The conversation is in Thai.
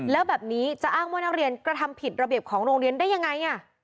แล้วแบบนี้จะอ้างว่านักเรียนกระทำผิดระเบียบของโรงเรียนได้ยังไง